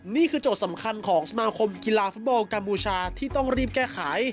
โจทย์สำคัญของสมาคมกีฬาฟุตบอลกัมพูชาที่ต้องรีบแก้ไข